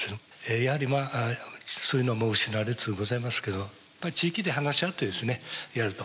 やはりまあそういうのは失われつつございますけどやっぱり地域で話し合ってですねやると。